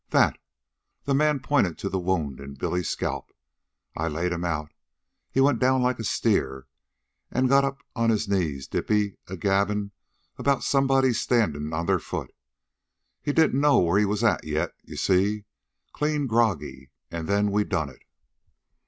"That." The man pointed to the wound in Billy's scalp. "I laid 'm out. He went down like a steer, an' got up on his knees dippy, a gabblin' about somebody standin' on their foot. He didn't know where he was at, you see, clean groggy. An' then we done it."